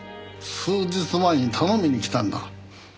数日前に頼みに来たんだ。